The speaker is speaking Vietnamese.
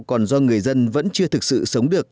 còn do người dân vẫn chưa thực sự sống được